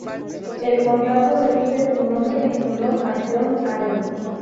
El condado recibe su nombre en honor a John Allen.